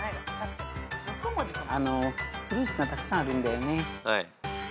フルーツがたくさんあるんだよね。